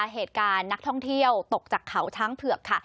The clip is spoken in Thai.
เหตุการณ์นักท่องเที่ยวตกจากเขาช้างเผือกค่ะ